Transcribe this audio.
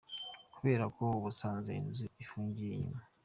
Kubera ko basanze inzu ifungiye inyuma.